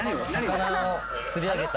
魚を釣り上げた。